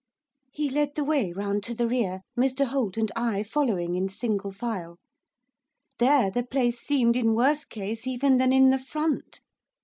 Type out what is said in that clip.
He led the way round to the rear, Mr Holt and I following in single file. There the place seemed in worse case even than in the front.